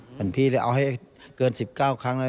เหมือนพี่เอาให้เกิน๑๙ครั้งเลย